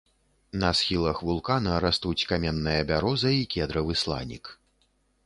На схілах вулкана растуць каменная бяроза і кедравы сланік.